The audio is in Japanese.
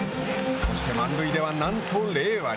そして、満塁では、なんと０割。